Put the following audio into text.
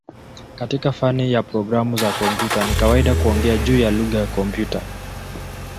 Katika fani ya programu za kompyuta ni kawaida kuongea juu ya "lugha ya kompyuta".